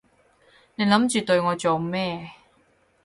你諗住對我做咩？